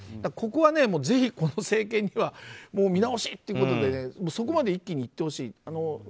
これは、ぜひこの政権には見直しということでそこまで一気にいってほしい。